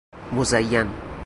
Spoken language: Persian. مزین